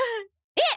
えっ？